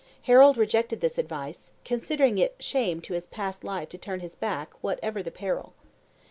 Harold rejected this advice, "considering it shame to his past life to turn his back, whatever were the peril."